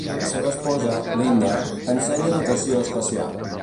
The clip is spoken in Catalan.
La seva esposa, Linda, ensenya educació especial.